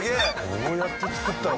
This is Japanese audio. どうやって作ったの？